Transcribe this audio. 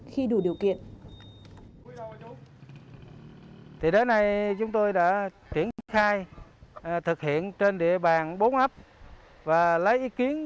khi đủ điều kiện